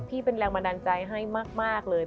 เป็นแรงบันดาลใจให้มากเลย